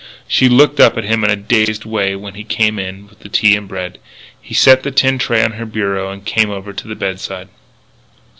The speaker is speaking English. She looked up at him in a dazed way when he came in with the tea and bread. He set the tin tray on her bureau and came over to the bedside.